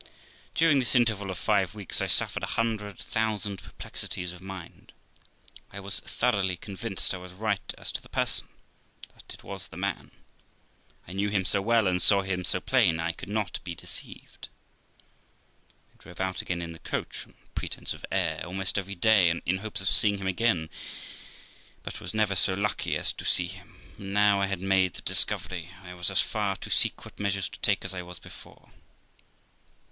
During this interval of five weeks I suffered a hundred thousand per plexities of mind. I was thoroughly convinced I was right as to the person, that it was the man. I knew him so well, and saw him so plain, I could not be deceived. I drove out again in the coach (on pretenc/s of THE LIFE OF ROXANA air) almost every day in hopes of seeing him again, but was never so lucky as to see him; and, now I had made the discovery, I was as far to seek what measures to take as I was before.